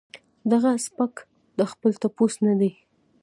دغه سپک د خپل تپوس نۀ دي